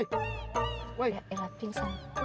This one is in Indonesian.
ya elah pingsan